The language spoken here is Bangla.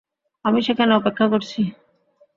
আমি সেখানে অপেক্ষা করছি।